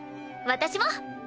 私も！